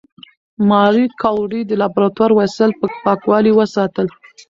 ماري کوري د لابراتوار وسایل په پاکوالي وساتل.